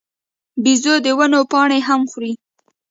بیزو د ونو پاڼې هم خوري.